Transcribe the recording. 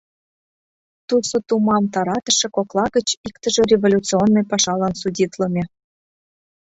Тусо тумам таратыше кокла гыч иктыже революционный пашалан судитлыме.